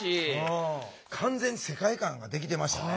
完全に世界観ができてましたね。